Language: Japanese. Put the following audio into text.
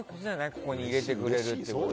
ここに入れてくれるっていう。